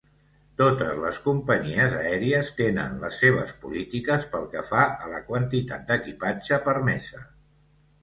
Totes les companyies aèries tenen les seves polítiques pel que fa a la quantitat d'equipatge permesa.